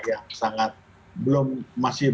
yang belum masih memiliki kekuasaan